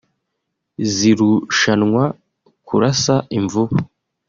zirushanwa kurasa imvubu